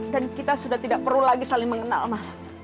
dan kita sudah tidak perlu lagi saling mengenal mas